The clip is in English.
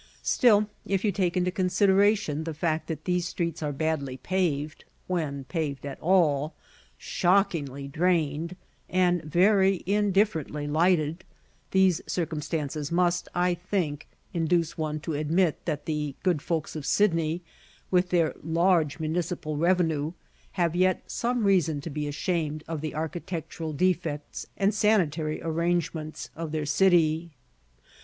Still, if you take into consideration the fact that these streets are badly paved when paved at all shockingly drained, and very indifferently lighted: these circumstances must, I think, induce one to admit that the good folks of Sydney, with their large municipal revenue, have yet some reason to be ashamed of the architectural defects and sanitary arrangements of their city.